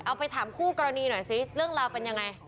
ไปถามคู่กรณีหน่อยสิเรื่องราวเป็นยังไง